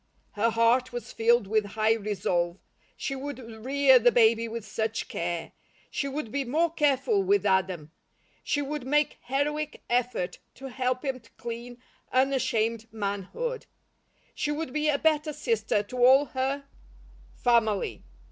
Her heart was filled with high resolve. She would rear the baby with such care. She would be more careful with Adam. She would make heroic effort to help him to clean, unashamed manhood. She would be a better sister to all her family.